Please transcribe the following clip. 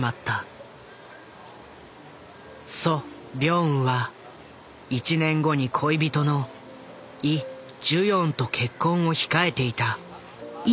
ソ・ビョンウは１年後に恋人のイ・ジュヨンと結婚を控えていた。